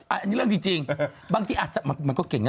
อันนี้เรื่องจริงบางทีอาจจะมันก็เก่งนะ